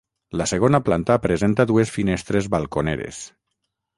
La segona planta presenta dues finestres balconeres.